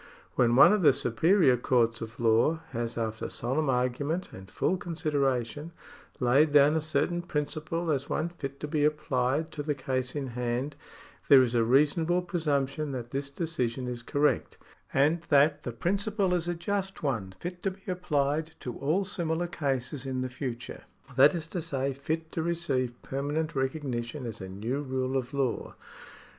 When one of the superior courts of law has, after solemn argument and full consideration, laid down a certain principle as one fit to be applied to the case in hand, there is a reasonable presumption that this decision is correct, and that the principle is a just one fit to be applied to all similar cases in the future, that. is to say, fit to receive permanent recognition as a new rule of law.